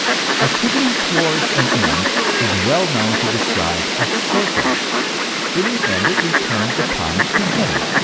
Activity towards an end, is well known to describe a circle : in the end it returns upon its beginning.